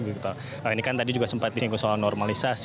nah ini kan tadi juga sempat disinggung soal normalisasi